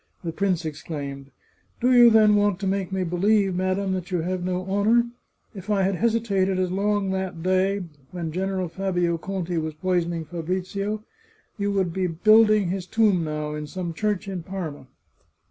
The prince exclaimed :" Do you then want to make me believe, madam, that you have no honour ? If I had hesitated as long that day, when General Fabio Conti was poisoning Fabrizio, you would be building his tomb now in some church in Parma."